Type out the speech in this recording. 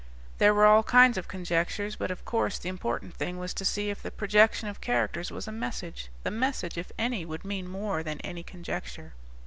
"There were all kinds of conjectures, but, of course, the important thing was to see if the projection of characters was a message. The message, if any, would mean more than any conjecture."